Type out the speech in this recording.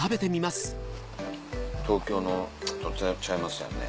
東京のと全然ちゃいますよね。